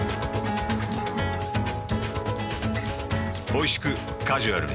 おいしくカジュアルに。